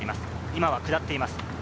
今は下っています。